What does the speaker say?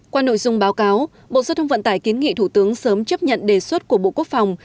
qua nội dung báo cáo bộ giao thông vận tải kiến nghị thủ tướng sớm chấp nhận đề xuất của bộ quốc phòng